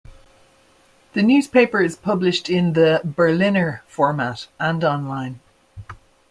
The newspaper is published in the berliner format and online.